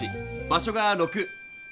場所が６。